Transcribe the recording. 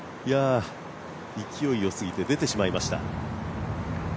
勢いよすぎて出てしまいました。